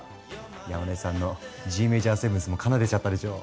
山根さんのＧメジャーセブンスも奏でちゃったでしょう？